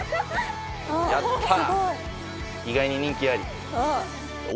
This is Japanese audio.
やったー！